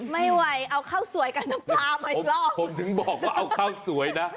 ไม่ไหวเอาข้าวสวยกับน้ำปลามาอีกรอบผมถึงบอกว่าเอาข้าวสวยนะ